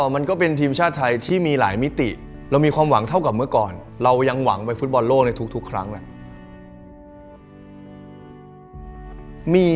มันก็เป็นทีมชาติไทยที่มีหลายมิติเรามีความหวังเท่ากับเมื่อก่อนเรายังหวังไปฟุตบอลโลกในทุกครั้งแหละ